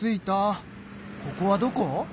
ここはどこ？